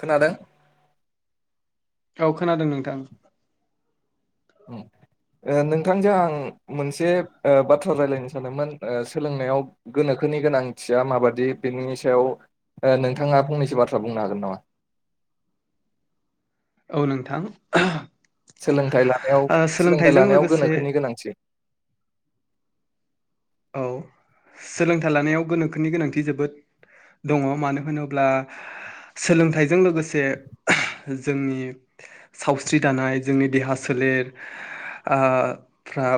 खोनादों? औ खोनादों नोंथां औ नोंथांजों आं मोनसे बाथ्रा रायज्लायनो सानोममोन सोलोंनायाव गोनोखो थाखोनि गोनांथिया माबादि बेनि सायाव ओ नोंथाङा फंनैसो बाथ्रा बुंनो हागोन नामा? औ नोंथां [unintelligible] सोलोंथाइ लानायाव ओ सोलोंथाइ सोलोंथाइजों लानायाव लोगोसे गोनोखोनि गोनांथि। औ सोलोंथाइ लानायाव गोनोखोनि गोनांथि जोबोद दङ मानो होनोब्ला सोलोंथाइजों लोगोसे [unintelligible] जोंनि सावस्रि दानाय जोंनि देहा सोलेर ओ फ्रा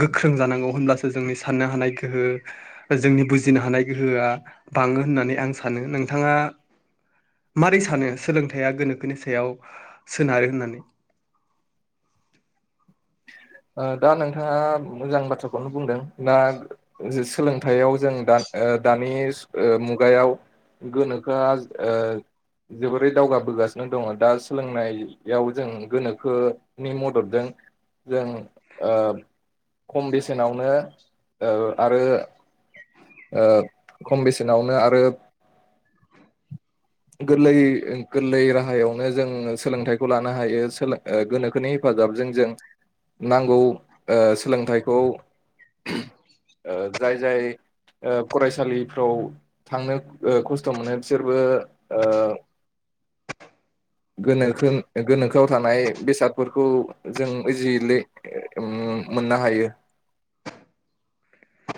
गोख्रों जानांगौ होनब्लासो जोंनि साननो हानाय गोहो जोंनि बुजिनो हानाय गोहोआ बाङो होननानै आं सानो नों नोंथाङा मारै सानो सोलोंथायाइआ गोनोखोनि सायाव सोनारो होननानै। ओ दा नोंथाङा मोजां बाथ्राखौनो बुंदों दा सोलोंथाइयाव जों दा ओ दानि से ओ मुगायाव गोनोखोआ ओ जोबोरै दावगाबोगासिनो दङ दा सोलोंनायाव जों गोनोखोनि मददजों जों ओ खम बेसेनावनो ओ आरो ओ खम बेसेनावनो आरो गोरलै गोरलै राहायावनो जोंङ सोलोंथाइखौ लानो हायो सोलो ओ गोनोखोनि हेफा फाजाबजों जों नांगौ ओ सोलोंथाइखौ ओ जाय जाय ओ फरायसालिफ्राव थांनो ओ खस्थ' मोनो बिसोरबो ओ, गोनोखो गोनोखोआव थानाय बेसादफोरखौ जों इजिलि उम मोननो हायो,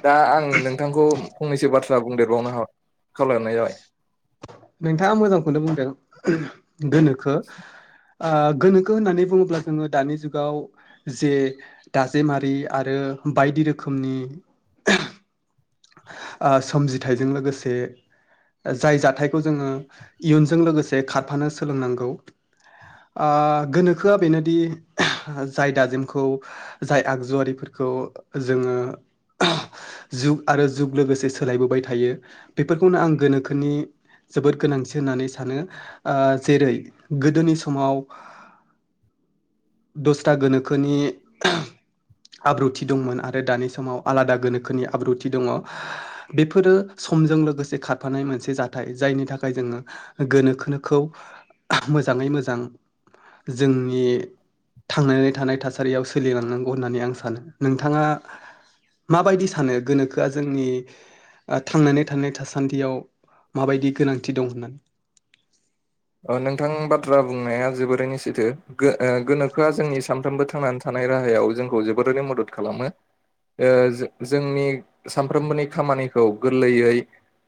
दा आं नोंथांखौ फंनैसो बाथ्रा बुंनो बुंदेरबावनो खावलायनाय जाबाय, नोंथाङा मोजांखौनो बुंदों गोनोखो आ गोनोखो होननानै बुङोब्ला जोङो दानि जुगाव जे दाजेमारि आरो बायदि रोखोमनि ओ सोमजिथायजों लोगोसे जाय जाथायखौ जोङो इयुनजों लोगोसे खारफानो सोलोंनांगौ, ओ गोनोखोआ बेनोदि जाय दाजेमखौ जाय आगजु आरिफोरखौ जोङो जुग आरो जुग लोगोसे सोलायबोबाय थायो बेफोरखौनो आं गोनोखोनि जोबोद गोनांथि होननानै सानो ओ जेरै गोदोनि समाव दसथा गोनोखोनि, आब्रुथि दंमोन आरो दानि समाव आलादा गोनोखोनि आब्रुथि दङ। बेफोरो समजों लोगोसे खारफानाय मोनसे जाथाय जायनि थाखाय जोङो गोनोखोनोखौ मोजाङै मोजां जोंनि थांनानै थानाय थासारियाव सोलिलांनांगौ होननानै आं सानो। नोंथाङा माबायदि सानो गोनोखोआ जोंनि थांनानै थानाय थासान्दियाव, माबायदि गोनांथि दं होननानै ओ नोंथां बाथ्रा बुंनाया जोबोरै सैथो गो ओ गोनोखोआ जोंनि सानफ्रोमबो थांनानै थानाय राहायाव जोंखौ जोबोरै मदद खालामो। ओ जो जोंनि सानफ्रोमबोनि खामानिखौ गोरलैयै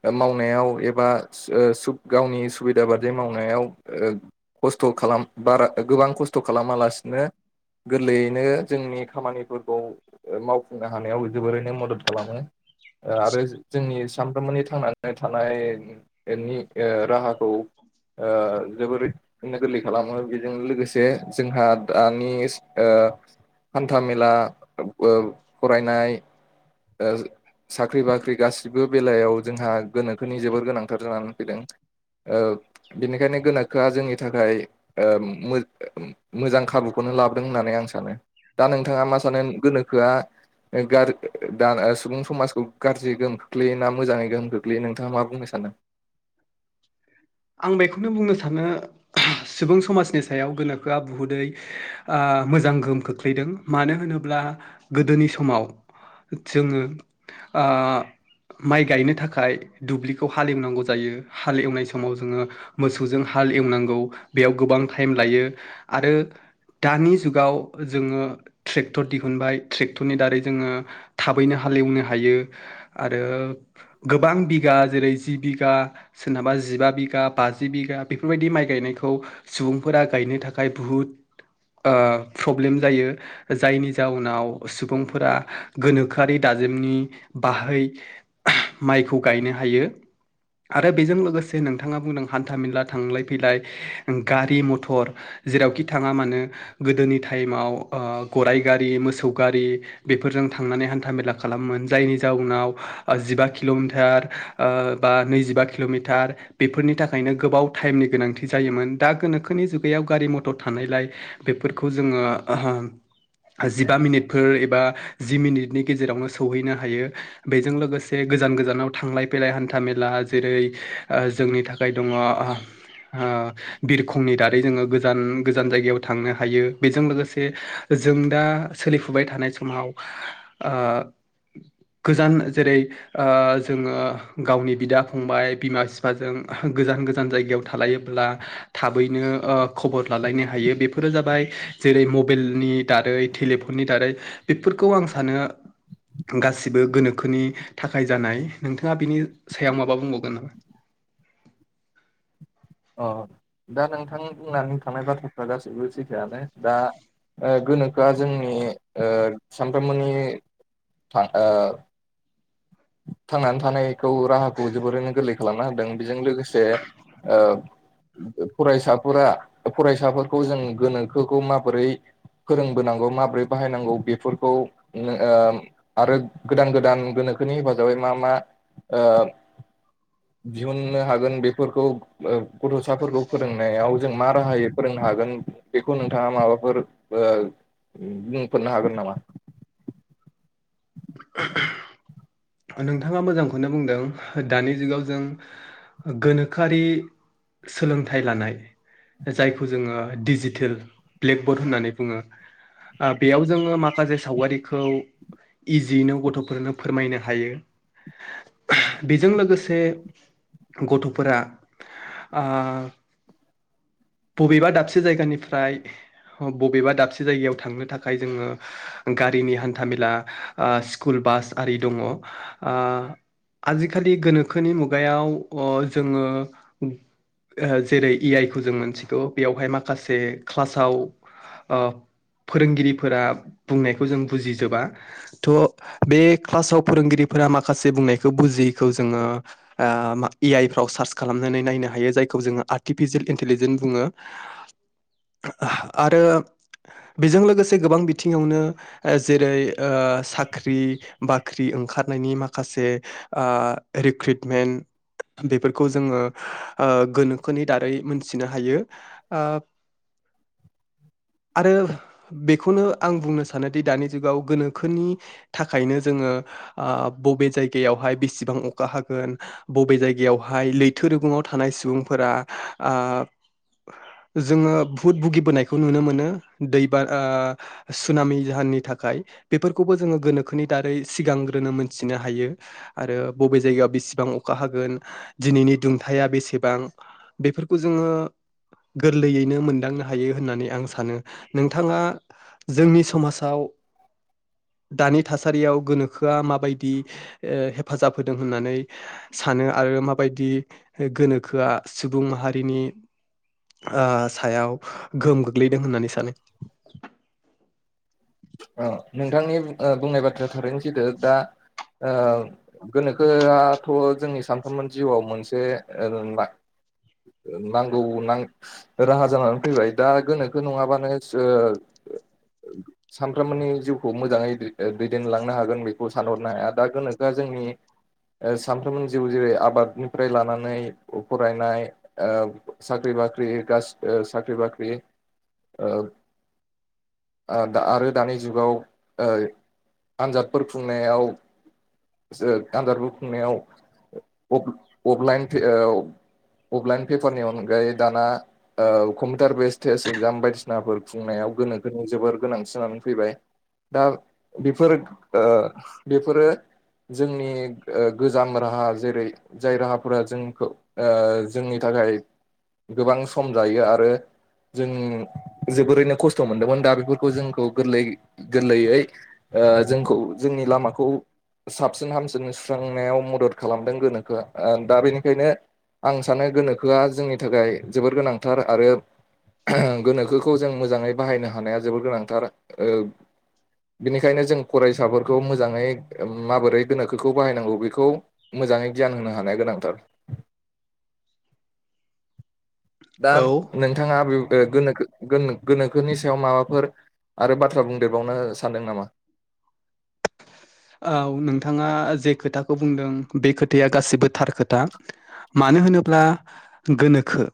ओ मावनायाव एबा सो ओ सुब गावनि सुबिदा बादि माव नायाव ओ खस्थ' खालाम बारा गोबां खस्थ' खालामालासिनो, गोरलैयैनो जोंनि खामानिफोरखौ ओ मावफुंनो हानायाव जोबोरैनो मदद खालामो। आरो जो जोंनि सानफ्रोमबोनि थांनानै थानायनि ओ राहाखौ, ओ जोबोरैनो गोरलै खालामो बेजों लोगोसे जोंहा दानि ओ हान्था मेला बो फरायनाय, ओ साख्रि बाख्रि गासिबो बेलायाव जोंहा गोनोखोनि जोबोर गोनांथार जानानै फैदों, ओ बेनिखायनो गोनोखोआ जोंनि थाखाय ओ मोजां खाबुखौ नो लाबोदों होननानै आं सानो दा नोंथाङा मा सानो गोनोखोआ गा दा सुबुं समाजखौ गाज्रि गोहोम खोख्लैयो ना मोजाङै गोहोम खोख्लैयो नोंथाङा मा बुंनो सानदों? आं बेखौनो बुंनो सानो, सुबुं समाजनि सायाव गोनोखोआ बुहुदै ओ मोजां गोहोम खोख्लैदों मानो होनो होनब्ला गोदोनि समाव जोङो, माइ गायनो थाखाय दुब्लिखौ हालेवनांगौ जायो हालेवनाय सम समाव जोङो मोसौजों हाल एवनांगौ बेयाव गोबां टाइम लायो आरो दानि जुगाव जोङो ट्रेक्टर दिहुनबाय ट्रेक्टरनि दारै जोङो थाबैनो ह हालेवनो हायो आरो गोबां बिगा जेरै जि बिगा सोरनाबा जिबा बिगा बाजि बिगा बेफोरबायदि माइ गायनायखौ सुबुंफोरा गायनो थाखाय बुहुद प्रब्लेम जायो जायनि जाउनाव सुबुंफोरा गोनोखोआरि द - मनि बाहाय माइखौ गायनो हायो आरो बेजों लोगोसे नोंथाङा बुंदों हान्था मेला थांलाय फैलाय गारि मथर जेरावखि थाङा मानो गोदोनि टाइमाव गराइ गारि मोसौ गारि बेफोरजों थांनानै हान्था मेला खालाम पि पप जायनि जाउनाव जिबा किल'मिटार बा नैजिबा किल'मिटार बेफोरनि थाखायनो गोबाछछ्व टाइमनि गोनांथि जायोमोन दा गोनोखोनि जुगायाव गारि मथर थानायलाय बेफोरखौ जोङो जिबा मिनिटफोर एबा जि मिनिटनि गेजेरावनो सौहैनो हायो बेजों लोगोसे गोजान गोजानाव थांलाय फैलाय हान्था मेला जेरै जोंनि थाखाय दङ बिरखंनि दारै जोङो गोजान गोजान जायगायाव थांनो हायो बेजों लोगोसे जों दा सोलिफुबाय थानाय समाव गोजान जेरै ओ जोङो गावनि बिदा फंबाय बिमा बिफाजों गोजान गोजान जायगायाव थालायोब्ला थाबैनो ओ खबर लालायनो हायो बेफोरो जाबाय जेरै मबाइलनि दारै टेलिफननि दारै बेफोरखौ आं सानो गासिबो गोनोखोनि थाखाय जानाय नोंथाङा बिनि सायाव माबा बुंबावगोन नामा? अ दा नोंथां बुंनानै थानायां बाथ्राफ्रा गासैबो सैथोआनो। दा ओ गोनोखोआ जोंनि ओ सानफ्रोमबोनि आं ओ थांनानै थानायखौ राहाखौ जोबोरैनो गोरलै खालामना होदों बेजों लोगोसे ओ फरायसाफोरा फरायसाफोरखौ जों गोनोखोखौ माबोरै फोरोंबोनांगौ माबोरै बाहायनांगौ बेफोरखौ ओ आरो गोदान गोदान गोनो खोनि हेफाजाबै मा मा ओ दिहुननो हागोन बेफोरखौ गथ'साफोरखौ फोरोंनायाव जों मा राहायोै फोरों नो होन बेखौ नोंथाङा माबाफोर ओ बुंफोरनो हागोन नामा? [inaudible] नोंथाङा मोजांखौनो बुंदों दानि जुगाव जों गोनोखोआरि सोलोंथाइ लानाय जायखौ जोङो डिजिटेल ब्लेकबर्ड होननानै बुङो बेयाव जोङो माखासे सावगारिखौ इजियैनो गथ'फोरनो फोरमायनो बेजों लोगोसे गथ'फोरा आं बबेबा दाबसे जायगानिफ्राय बबेबा दाबसे जायगायाव थांनो थाखाय जोङो गारिनि हान्था मेला ओ स्कुल बास आरि दङ ओ आजिखालि गोनोखोनि मुगायाव अ जोङो ओ जेरै ए आइ खौ जों मोनथिगौ बेयावहाय माखासे क्लासाव ओ फोरोंगिरिफोरा बुंनायखौ जों बुजिजोबा थ' बे क्लासाव फोरोंगिरिफोरा माखासे बुंनायखौ बुजियैखौ जोङो ए आय फ्राव सार्च खालामनानै नायनो हायो जायखौ जोङो आर्टिपिचिएल इन्टेलिजेन्ड बुङो आरो बेजों लोगोसे गोबां बिथिङावनो जेरै ओ साख्रि बा बाख्रि ओंखारनायनि माखासे आ रिक्रुइटमेन्ट बेफोरखौ जोङो गोनोखोनि दारै मोनथिनो हायो आ [inaudible] आरो बेखौनो आं बुंनो सानोदि दानि जुगाव गोनोखोनि थाखायनो जोङो आ बबे जायगायावहाय बेसेबां अखा हागोन बबे जायगायावहाय लैथो रुगुङाव थानाय सुबुंफोरा आ जोङो बुहुत भुगिबोनायखौ नुनो मोनो दैबाना आ सुनामि जाहोननि थाखाय बेफोरखौबो जोङो गोनोखोनि दारै सिगांग्रोनो मोनथिनो हायो आरो बबे जायगायाव बेसेबां अखा हागोन दिनैनि दुंथाया या बेसेबां बेफोरखौ जोङो गोरलैयैनो मोनदांनो हायो होननानै आं सानो। नोंथाङा जोंनि समाजाव दानि थासारियाव गोनोखोआ माबायदि ओ हेफाजाब होदों होननानै सानो आरो माबायदि गोनोखोआ सुबुं माहारिनि ओ सायाव गोहोम गोग्लैदों होननानै सानो? औ नोंथांनि ओ बुंनाय बाथ्राया थारैनो जैथो दा ओ गोनोखोआथ' जोंनि सानफ्रोमबो जिउआव मोनसे ओ नांगौ नां राहा जानानै फैबाय दा गोनोखो नङाबानो सो ओ [inaudible] सानफ्रोमबोनि जिउखौ मोजाङै दैदेनलांनो हागोन बेखौ सानहरनो हाया दा गोनोखोआ जोंनि ओ सानफ्रोमबो जिउ जेरै आबादनिफ्राय लानानै फरायनाय ओ साख्रि बाख्रि साख्रि बाख्रि ओ आ आरो दानि जुगाव ओ आनजादफोर खुंनायाव आनजारबो खुंनायाव अफलाइन अफलाइन पेपारनि अनगायै दाना कम्पिउटार बेस टेस्ट एगजाम बायदिसिनाफोर खुंनायाव गोनो गोनो जोबोर गोनांसिनाम फैबाय। दा बेफोर ओ बेफोरो जोंनि ओ गोजाम राहा जेरै जाय राहाफोरा जोंखौ ओ जोंनि थाखाय गोबां सम जायो आरो जों जोबोरैनो खस्थ' मोनदोंमोन दा बेफोरखौ जोंखौ गोरलै गोरलैयै ओ जोंखौ जोंनि लामाखौ साबसिन हामसिन सुस्रांनायाव मदद खालामदों गोनोखोआ ओ दा बेनिखायनो आं सानो गोनोखोआ जोंनि थाखाय जोबोर गोनांथार आरो गोनोखोखौ जों मोजाङै बाहायनो हानाया जोबोर गोनांथार ओ बेनिखायनो जों फरायसाफोरखौ मोजाङै माबोरै गोनोखोखौ बाहायनांगौ बेखौ मोजाङै गियान होनो हानाया गोनांथार। दा औ नोंथाङा बे ओ गोनोखोनि सायाव माबाफोर आरो बाथ्रा बुंदेरबावनो सानदों नामा? औ नोंथाङा जे खोथाखौ बुंदों बे खोथाया गासिबो थार खोथा मानो होनोब्ला गोनोखो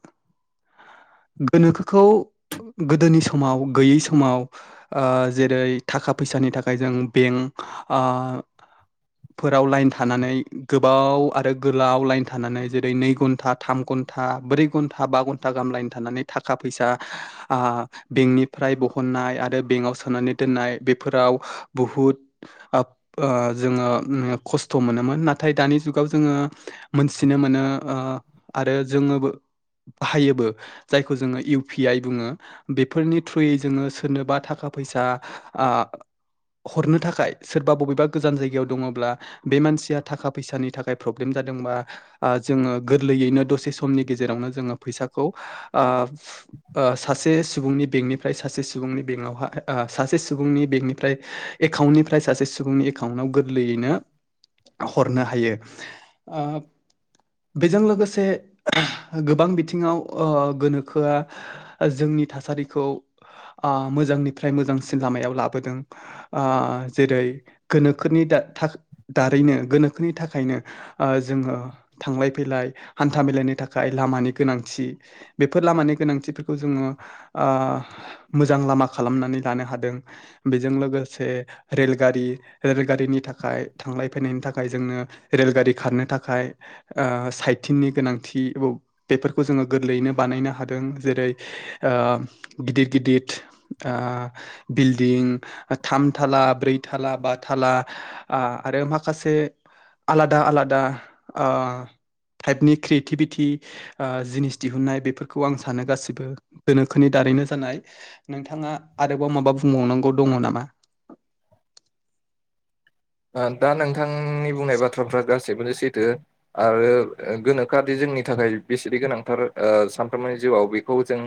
[inaudible] गोनोखोखौ गोदोनि समाव गैयै समाव ओ जेरै थाखा फैसा फिसानि थाखाय जों बेंक फोराव लाइन थानानै गोबाव आरो गोलाव लाइन थानानै जेरै नै घन्टा थाम घन घ ब्रै घा बा घन गाहामलाायनि थानानै थाखा फैसा ओ बेंकनिफ्राय ब खननाय आरो बेंकआव सोनानै दोननाय बेफोराव बुहुद ओ जोङो खस्थ' मोनोमोन नाथाय दानि जुगाव जोङो मोनथिनो मोनो ओ आरो जोङोबो बाहायोबो जायखौ जोङो इउ पि आइ बुङो बेफोरनि थ्रुयै जोङो सोरनोबा थाखा फैसा हरनो ओ थाखाय सोरबा बबेबा गोजान जायगायाव दङब्ला बे मानसिया थाखा फैसानि थाखाय प्रब्लेम जादोंबा ओ जोङो गोरलैयैनो दसे समनि गेजेरावनो जोङो फैसाखौ ओ ओ सासे सुबुं बेकनिफ्राय सासे सुबुंनि बेक आव हा सासे सुबुंनि बेकनिफ्राय सासे सुबुंनि एकाउन्टाव गोरलैयैनो हरनो हायो ओ बेजों लोगोसे गोबां बिथिङाव ओ गोनोखोआ जों नि थासारिखौ ओ मोजांनिफ्राय मोजांसिन लामायाव लाबोदों ओ जेरै गोनोखोनि दारैनो गोनोखोनि थाखायनो ओ जोङो थांलाय फैलाय हान्था मलाायनि थाखाय लामानि गोनांथि बेफोर लामानि गोनांथिफोरखौ जोङो ओ मोजां लामा खालामनानै लानो हादों बेजों लोगोसे रेलगारि रेलगारिनि थाखाय थांलाय फैायनायनि थाखाय जोंनो रेलगारि खारनो थाखाय ओ साइथिननि गोनांथि बेफोरखौ जोङो गोरलैयैनो बानायनो हादों जेरै ओ गिदिर गिदिर ओ बिल्दिं थामथाला ब्रै थाला बा थाला ओ आरो माखासे आलादा आलादा ओ टाइपनि क्रियेटिभिटि ओ जिनिस दिहुनन्नाय बेफोरखौ आं सानो गासिबो दोनोखोनि दा दारैनो जानाय नोंथाङा आरोबाव माबा बुंबावनांगौ दङ नामा? [inaudible] [unintelligible] दा नोंथांनि बुंनाय बाथ्राफ्रा गासैबो सैथो आरो गोनोखोआदि जोंनि थाखाय बिसेनि गोनांथार ओ सानफ्रोमबोनि जिउआव बे बेखौ जों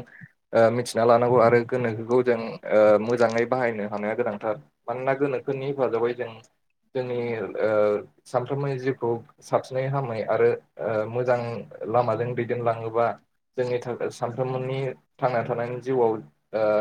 ओ मिथिना लानांगौ आरो गोनोखोखौ जों ओ मोजाङै बाहायनो हानाया गोनांथार मानोना गोनोखोनि हेफाजाबै जों ओ जोंनि सानफ्रोमबो जिउखौ साबसिनै हामनाय आरो ओ मोजां लामाजों दैदेनलाङोबा जोंनि थाखाय सानफ्रोमबोनि थांना थानायनि जिउआव ओ